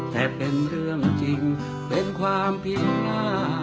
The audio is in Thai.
แต่เป็นเรื่องจริงเป็นความเพียรติ